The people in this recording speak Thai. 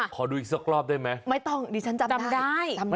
ขอดูอีกสักรอบได้ไหมไม่ต้องดิฉันจำได้จำได้